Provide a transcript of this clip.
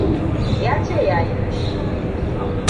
Ya ce ya yi fushi.